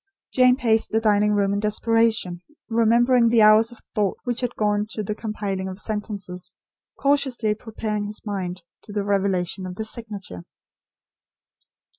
Jane paced the dining room in desperation, remembering the hours of thought which had gone to the compiling of sentences, cautiously preparing his mind to the revelation of the signature.